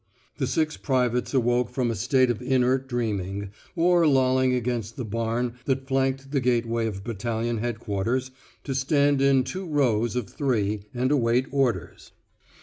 The six privates awoke from a state of inert dreaming, or lolling against the barn that flanked the gateway of battalion headquarters, to stand in two rows of three and await orders.